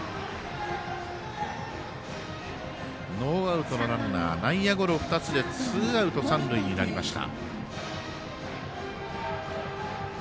ノーアウトのランナー内野ゴロ２つでツーアウト、三塁になりました。